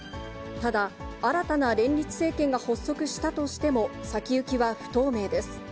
ただ、新たな連立政権が発足したとしても、先行きは不透明です。